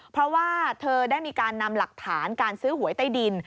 เพราะว่าเธอได้มีการนำหลักฐานการซื้อหวยใต้ดิน